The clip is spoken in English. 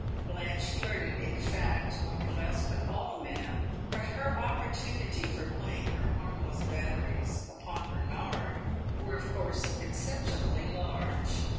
Blanche flirted, in fact, more or less with all men, but her opportunity for playing her harmless batteries upon Bernard were of course exceptionally large.